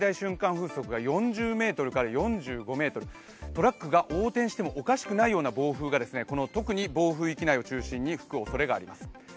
風速が４０メートルから４５メートル、トラックが横転してもおかしくないような暴風が、特に、この暴風域内を中心に吹くおそれがあります。